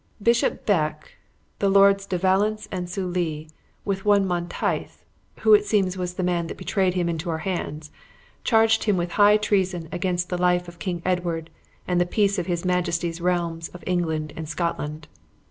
Bishop Beck, the Lords de Valence and Soulis, with one Monteith (who it seems was the man that betrayed him into our hands), charged him with high treason against the life of King Edward and the peace of his majesty's realms of England and Scotland.